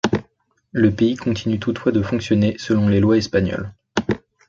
Le pays continue toutefois de fonctionner selon les lois espagnoles.